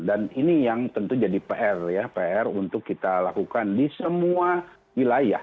dan ini yang tentu jadi pr ya pr untuk kita lakukan di semua wilayah